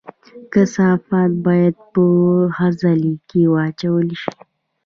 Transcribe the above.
کثافات باید په خځلۍ کې واچول شي